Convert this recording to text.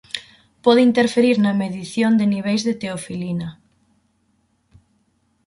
Pode interferir na medición de niveis de teofilina.